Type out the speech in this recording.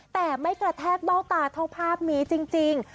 แต่ไม่กระแทกเบ้าตาเท่าภาพนี้จริง